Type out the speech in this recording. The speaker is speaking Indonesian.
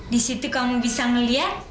di situ kamu bisa ngeliat